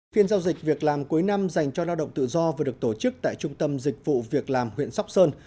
phiên giao dịch việc làm cuối năm dành cho lao động tự do vừa được tổ chức tại trung tâm dịch vụ việc làm huyện sóc sơn